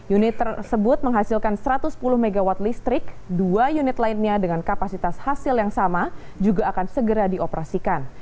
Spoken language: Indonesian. unit tersebut menghasilkan satu ratus sepuluh mw listrik dua unit lainnya dengan kapasitas hasil yang sama juga akan segera dioperasikan